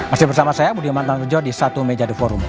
masih bersama saya budi matan rejo di satu meja the forum